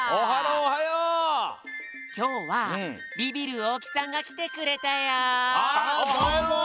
きょうはビビる大木さんがきてくれたよ。